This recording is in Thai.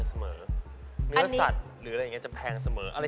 กลับด้วยทำไมไม่ได้กลับด้วย